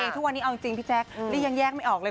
ทุกวันนี้เอาจริงพี่แจ๊คนี่ยังแยกไม่ออกเลย